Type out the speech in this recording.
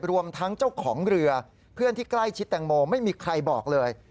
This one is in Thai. รวมทั้งเจ้าของเรือเพื่อนที่ใกล้ชิดแตงโมไม่มีใครบอกเลย